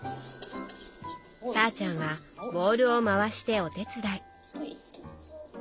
さぁちゃんはボウルを回してお手伝い。